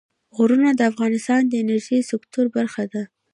غرونه د افغانستان د انرژۍ سکتور برخه ده.